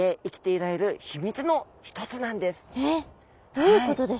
どういうことですか？